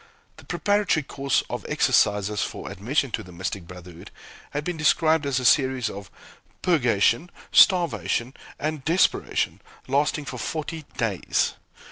The preparatory course of exercises for admission to the mystic brotherhood has been described as a series of "purgation, starvation, and desperation," lasting for forty days!